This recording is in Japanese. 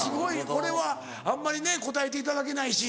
これはあんまりね答えていただけないし